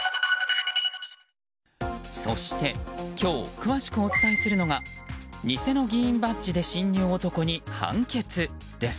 そして今日詳しくお伝えするのが偽の議員バッジで侵入男に判決です。